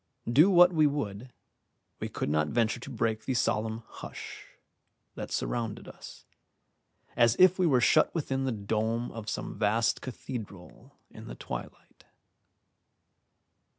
Do what we would, we could not venture to break the solemn hush that surrounded us, as if we were shut within the dome of some vast cathedral in the twilight.